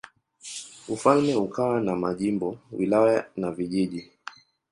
Ufalme ukawa na majimbo, wilaya na vijiji.